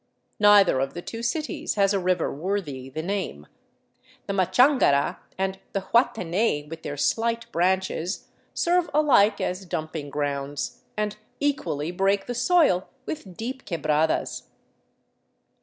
Neither of the two cities has a river worthy the name; the Machangara and the Huatenay, with their slight branches, serve alike as dumping grounds, and equally break the soil with deep quebradas.